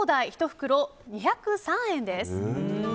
１袋２０３円です。